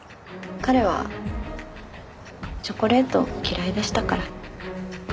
彼はチョコレート嫌いでしたから。